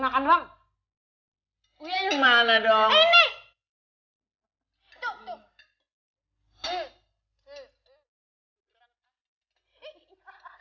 assalamualaikum warahmatullahi wabarakatuh